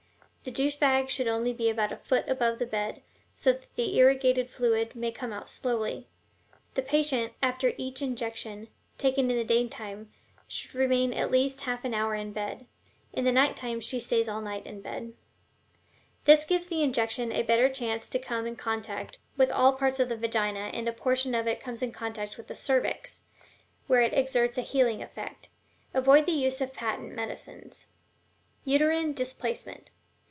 The douche bag should be only about a foot above the bed, so that the irrigating fluid may come out slowly; the patient, after each injection taken in the daytime, should remain at least half an hour in bed (in the nighttime she stays all night in bed.) This gives the injection a better chance to come in contact with all the parts of the vagina, and a portion of it comes in contact with the cervix, where it exerts a healing effect. Avoid the use of patent medicines." UTERINE DISPLACEMENT.